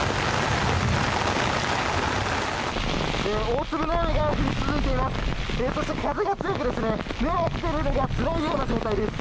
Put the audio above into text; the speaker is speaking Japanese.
大粒の雨が降り続いています。